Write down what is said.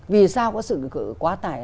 vì sao có sự quá tải